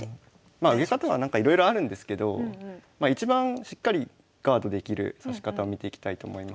まあ受け方はなんかいろいろあるんですけど一番しっかりガードできる指し方を見ていきたいと思います。